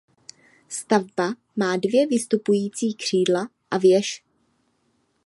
Stavba má dvě vystupující křídla a věž.